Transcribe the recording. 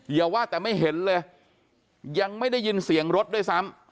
อย่าว่าแต่ไม่เห็นเลยยังไม่ได้ยินเสียงรถด้วยซ้ำ